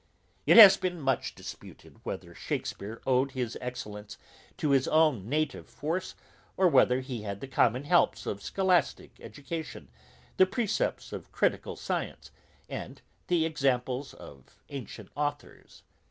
It has been much disputed, whether Shakespeare owed his excellence to his own native force, or whether he had the common helps of scholastick education, the precepts of critical science, and the examples of ancient authours.